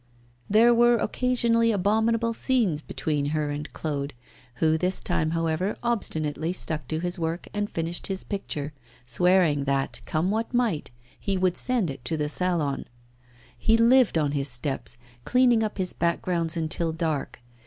There were occasionally abominable scenes between her and Claude, who this time, however, obstinately stuck to his work and finished his picture, swearing that, come what might, he would send it to the Salon. He lived on his steps, cleaning up his backgrounds until dark.